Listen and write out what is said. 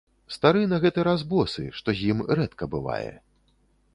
Стары на гэты раз босы, што з ім рэдка бывае.